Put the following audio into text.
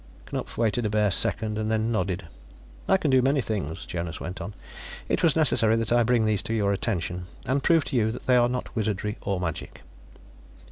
Knupf waited a bare second, and then nodded. "I can do many things," Jonas went on. "It was necessary that I bring these to your attention and prove to you that they are not wizardry, or magic."